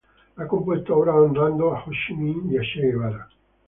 Ha compuesto obras honrando a Hồ Chí Minh y a Che Guevara.